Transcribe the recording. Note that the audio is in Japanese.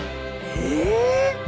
え！